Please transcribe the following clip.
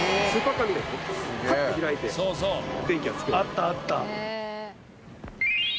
あったあった。